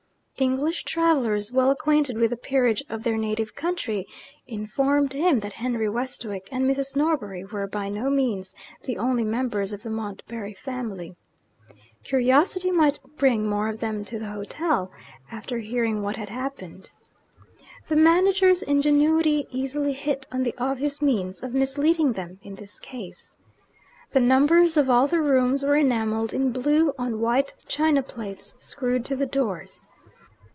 English travellers, well acquainted with the peerage of their native country, informed him that Henry Westwick and Mrs. Norbury were by no means the only members of the Montbarry family. Curiosity might bring more of them to the hotel, after hearing what had happened. The manager's ingenuity easily hit on the obvious means of misleading them, in this case. The numbers of all the rooms were enamelled in blue, on white china plates, screwed to the doors.